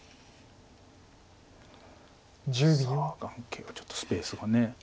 さあ眼形がちょっとスペースがね。